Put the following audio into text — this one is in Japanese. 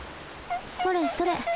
それそれ。